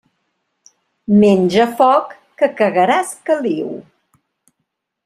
Menja foc, que cagaràs caliu.